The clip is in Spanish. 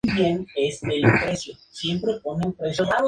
Su sistema es comparable a la estadounidense Turner Broadcasting Systems.